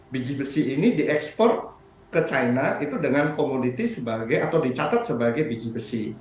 biji besi ini diekspor ke china itu dengan komoditi sebagai atau dicatat sebagai biji besi